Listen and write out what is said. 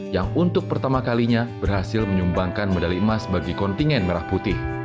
yang untuk pertama kalinya berhasil menyumbangkan medali emas bagi kontingen merah putih